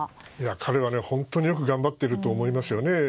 彼は本当によく頑張っていると思いますよね。